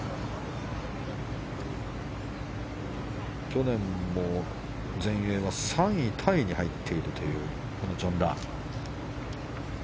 去年も全英は３位タイに入っているというジョン・ラーム。